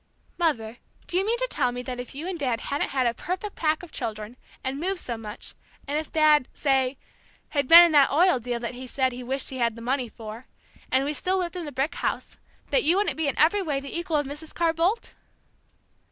"Mother, do you mean to tell me that if you and Dad hadn't had a perfect pack of children, and moved so much, and if Dad say had been in that oil deal that he said he wished he had the money for, and we still lived in the brick house, that you wouldn't be in every way the equal of Mrs. Carr Boldt?"